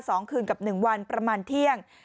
สองคืนกับหนึ่งวันประมาณเที่ยง